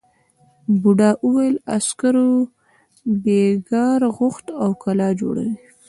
بوڊا وویل عسکرو بېگار غوښت او کلا جوړوي.